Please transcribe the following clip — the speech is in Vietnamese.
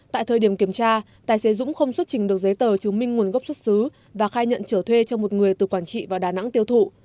tại thời điểm kiểm tra tài xế dũng không xuất trình được giấy tờ chứng minh nguồn gốc xuất xứ và khai nhận trở thuê cho một người từ quảng trị vào đà nẵng tiêu thụ